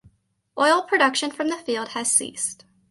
Oil production from the field has ceased.